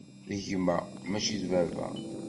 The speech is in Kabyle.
D gma, mačči d baba.